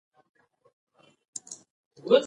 مینه د جنګ په څېر ده دا یو مثال دی.